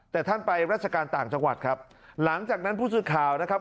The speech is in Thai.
แต่ท่านไปราชการต่างจังหวัดครับหลังจากนั้นผู้สื่อข่าวนะครับ